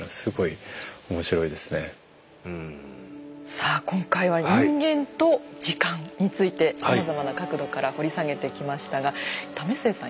さあ今回は人間と時間についてさまざまな角度から掘り下げてきましたが為末さん